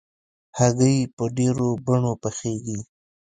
هګۍ په ډېرو بڼو پخېږي.